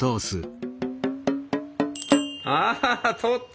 あ通った！